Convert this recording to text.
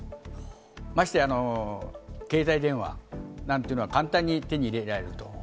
まして、携帯電話なんていうのは簡単に手に入れられると。